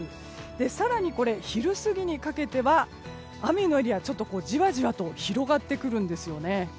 更に昼過ぎにかけては雨のエリアがじわじわと広がってくるんですよね。